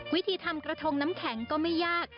วิธีทำกระทงน้ำแข็งก็ไม่ยาก